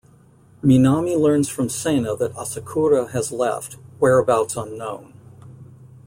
Minami learns from Sena that Asakura has left, whereabouts unknown.